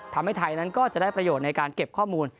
ทำให้ไทยนั้นก็จะได้ประโยชน์ในการเก็บข้อมูล